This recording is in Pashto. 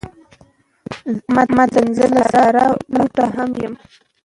متل: زه که د صحرا لوټه هم یم